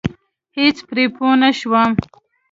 هېڅ پرې پوه نشوم.